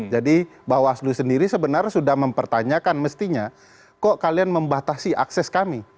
jadi bawaslu sendiri sebenarnya sudah mempertanyakan mestinya kok kalian membatasi akses kami